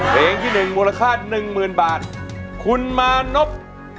เพลงที่หนึ่งมูลค่าหนึ่งหมื่นบาทคุณมณพ